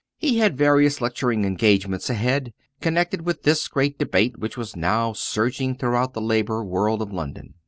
He had various lecturing engagements ahead, connected with this great debate which was now surging throughout the Labour world of London.